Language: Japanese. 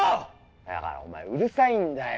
だからおまえうるさいんだよ